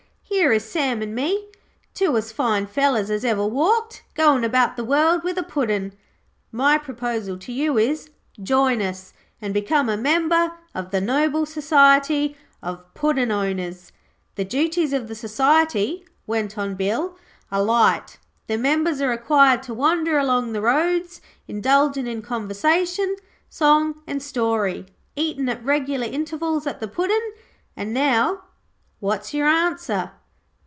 Here is Sam an' me, two as fine fellers as ever walked, goin' about the world with a Puddin'. My proposal to you is Join us, and become a member of the Noble Society of Puddin' owners. The duties of the Society,' went on Bill, 'are light. The members are required to wander along the roads, indulgin' in conversation, song and story, eatin' at regular intervals at the Puddin'. And now, what's your answer?'